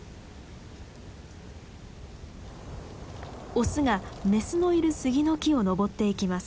オスがメスのいるスギの木を登っていきます。